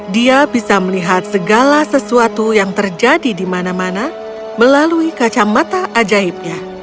dia bisa melihat segala sesuatu yang terjadi di mana mana melalui kacamata ajaibnya